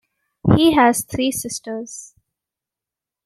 He has three sisters.